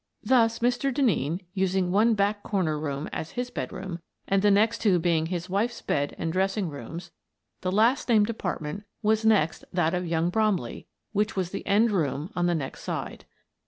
Thus, Mr. Denneen 48 Miss Frances Baird, Detective using one back corner room as his bedroom, and the next two being his wife's bed and dressing rooms, the last named apartment was next that of young Bromley, which was the end room on the next side.